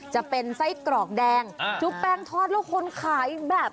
จะเป็นไส้กรอกแดงชุบแป้งทอดแล้วคนขายแบบ